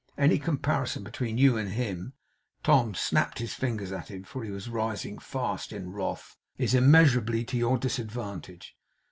Any comparison between you and him' Tom snapped his fingers at him, for he was rising fast in wrath 'is immeasurably to your disadvantage.